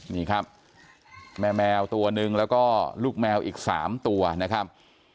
นี่ครับแม่แมวตัวหนึ่งแล้วก็ลูกแมวอีก๓ตัวนะครับ